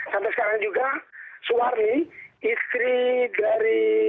sampai sekarang juga suwarni istri dari